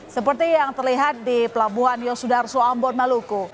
seperti yang terlihat di pelabuhan yosudarso ambon maluku